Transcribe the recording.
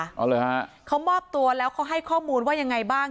เอาเลยฮะเขามอบตัวแล้วเขาให้ข้อมูลว่ายังไงบ้าง